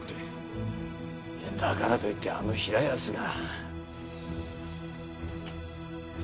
だからといってあの平安が？